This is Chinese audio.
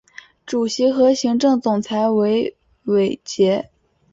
主席和行政总裁为韦杰。